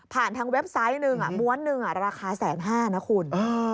ทางเว็บไซต์หนึ่งม้วนหนึ่งราคาแสนห้านะคุณ